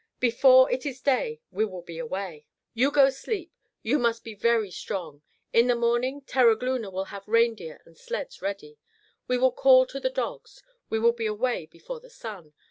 Before it is day we will be away. You go sleep. You must be very strong. In the morning Terogloona will have reindeer and sleds ready. We will call to the dogs. We will be away before the sun.